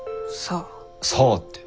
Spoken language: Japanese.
さあって。